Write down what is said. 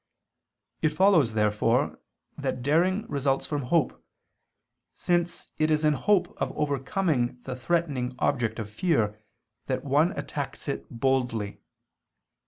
It follows, therefore, that daring results from hope; since it is in the hope of overcoming the threatening object of fear, that one attacks it boldly.